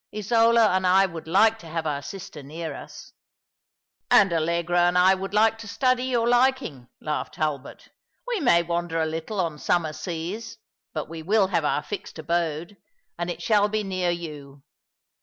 Isola and I would like to have our sister near us." " And Allegra and I would like to study your liiiing," laughed Hulbert. " We may wander a little on summer seas, but we will have our fixed abode, and it shall be near '*^Vt? Sudden Fancy of an Ardent Boy^ 221 you.